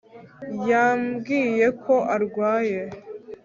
yambwiye ko arwaye